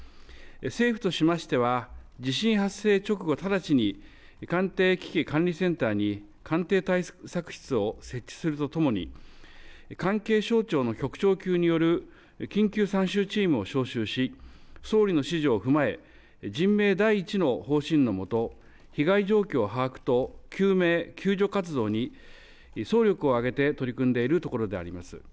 政府としましては地震発生直後、直ちに官邸危機管理センターに官邸対策室を設置するとともに関係省庁の局長級による緊急参集チームを招集し総理の指示を踏まえ、人命第一の方針のもと、被害状況把握と救命救助活動に総力を挙げて取り組んでいるところであります。